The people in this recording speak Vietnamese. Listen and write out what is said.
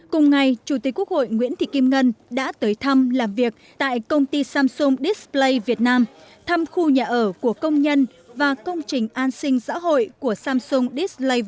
cùng ngày chủ tịch quốc hội nguyễn thị kim ngân đã tới thăm làm việc tại công ty samsung display việt nam thăm khu nhà ở của công nhân và công trình an sinh xã hội của samsung display